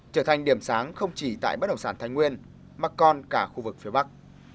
trở thành điểm sáng không chỉ tại bất động sản thanh nguyên mà còn cả khu vực phía bắc